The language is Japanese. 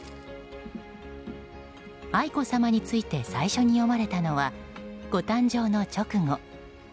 愛子さまについて最初に詠まれたのはご誕生の直後